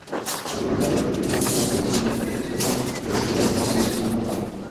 চট্টগ্রাম নগরে ত্রুটিপূর্ণ এবং অবৈধ যানবাহনের বিরুদ্ধে গতকাল বৃহস্পতিবার অভিযান চালিয়েছেন ভ্রাম্যমাণ আদালত।